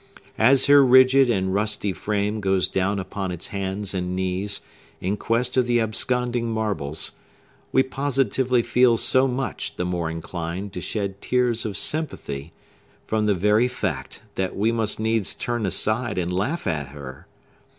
As her rigid and rusty frame goes down upon its hands and knees, in quest of the absconding marbles, we positively feel so much the more inclined to shed tears of sympathy, from the very fact that we must needs turn aside and laugh at her.